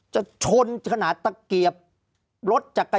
ภารกิจสรรค์ภารกิจสรรค์